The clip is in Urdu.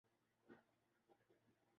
تم نے مجھے اپنا سمجھا ہی کب ہے!